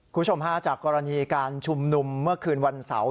คุณผู้ชมฮาจากกรณีการชุมนุมเมื่อคืนวันเสาร์